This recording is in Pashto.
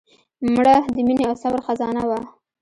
مړه د مینې او صبر خزانه وه